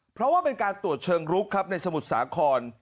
เพราะว่าเป็นการตรวจเชิงลุกครับในสมุทรสาคร